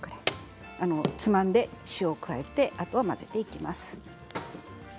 つまんで塩を加えてあとは混ぜていきます。